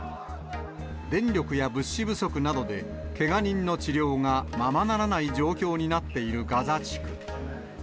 電力や物資不足などで、けが人の治療がままならない状況になっているガザ地区。